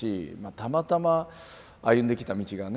たまたま歩んできた道がね